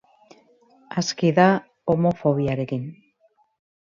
Aski da homofobiarekin.